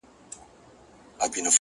پوهه د ذهن بندې لارې خلاصوي!